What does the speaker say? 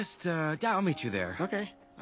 じゃあ。